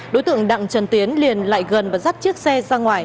đối tượng đặng trần tiến liền lại gần và dắt chiếc xe ra ngoài